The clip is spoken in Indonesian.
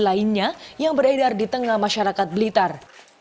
ketiga yang dikumpulkan oleh petasan